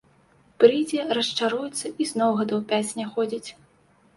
Прыйдзе, расчаруецца і зноў гадоў пяць не ходзіць.